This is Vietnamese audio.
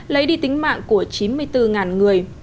lấy đi tính mạng của chín mươi bốn người